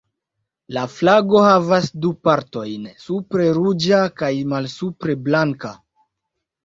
La flago havas du partojn, supre ruĝa kaj malsupre blanka.